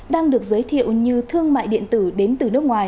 đang được giới thiệu như thương mại điện tử đến từ nước ngoài